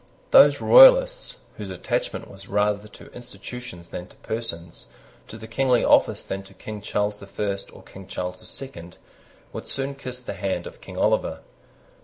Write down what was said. Those Royalists whose attachment was rather to institutions than to persons, to the kingly office than to King Charles the First or King Charles the Second, would soon kiss the hand of King Oliver.